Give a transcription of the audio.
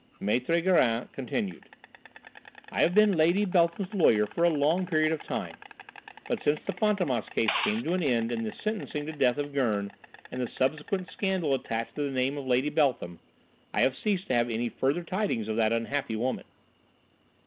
Maître Gérin continued: "I have been Lady Beltham's lawyer for a long period of time, but since the Fantômas case came to an end in the sentencing to death of Gurn and the subsequent scandal attached to the name of Lady Beltham, I have ceased to have any further tidings of that unhappy woman.